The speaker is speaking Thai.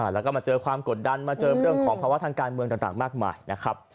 แล้วก็มาเจอความกดดันมาเจอเรื่องของภาวะทางการเมืองต่างมากมายนะครับ